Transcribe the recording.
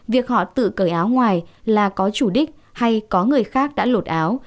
việc họ tự cởi áo ngoài là có chủ đích hay có người khác đã lột áo